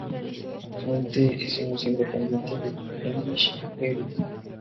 Actualmente es un museo dependiente del English Heritage.